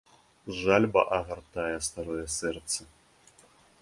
Жальба агартае старое сэрца.